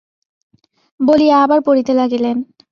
বলিয়া আবার পড়িতে লাগিলেন।